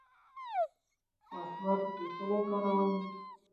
پاسورډ پیچلی کاروئ؟